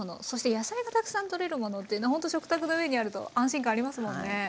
そして野菜がたくさんとれるものっていうのほんと食卓の上にあると安心感ありますもんね。